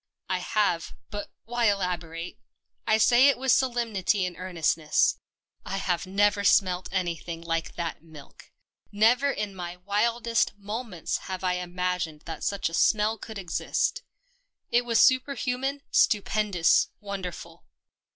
I have — but why elaborate ? I say it with solemnity and earnestness : I have never smelt anything like that milk ? Never in my wildest mo ments have I imagined that such a smell could exist. It was superhuman, stupendous, wonderful.